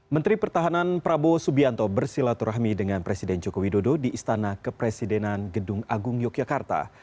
menteri pertahanan prabowo subianto bersilaturahmi dengan presiden joko widodo di istana kepresidenan gedung agung yogyakarta